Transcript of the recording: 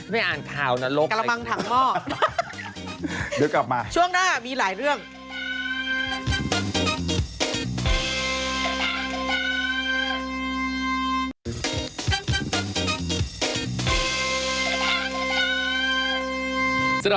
ไม่อ่านข่าวนรกอะไรอย่างนี้กระบังถังหม้อ